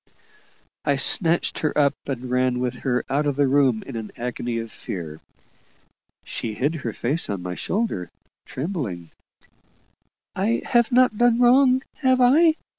I snatched her up and ran with her out of the room, in an agony of fear. She hid her face on my shoulder, trembling, "I have not done wrong, have I?